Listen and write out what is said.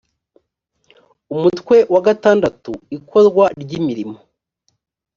umutwe wa vi ikorwa ry imirimo